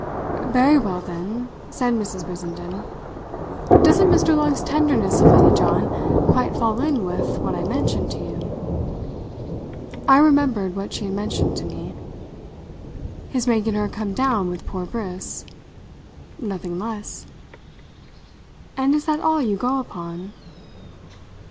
"Very well then," said Mrs. Brissenden, "doesn't Mr. Long's tenderness of Lady John quite fall in with what I mentioned to you?" I remembered what she had mentioned to me. "His making her come down with poor Briss?" "Nothing less." "And is that all you go upon?"